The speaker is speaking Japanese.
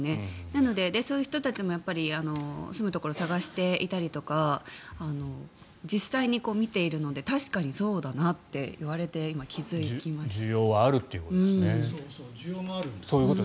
なので、そういう人たちも住むところ探していたりとか実際に見ているので確かにそうだなって需要はあると。